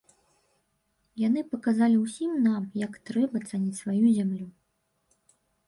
Яны паказалі ўсім нам, як трэба цаніць сваю зямлю!